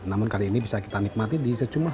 namun kali ini bisa kita nikmati di sejumlah